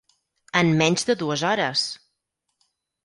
En menys de dues hores!